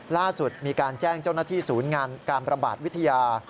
ล่าสุดมีการแจ้งเจ้าหน้าที่ศูนย์งานการประบาดวิทยา